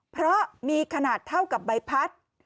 เพราะมีขนาดเท่ากับใบพัด